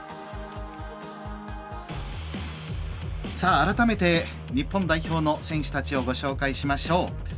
改めて日本代表の選手たちをご紹介しましょう。